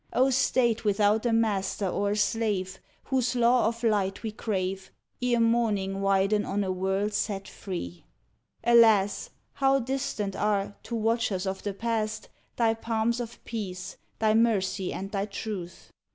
O State without a master or a slave, Whose law of light we crave Ere morning widen on a world set free ! Alas! how distant are, To watchers of the Past, Thy palms of peace, thy mercy and thy truth!